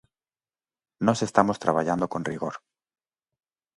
Nós estamos traballando con rigor.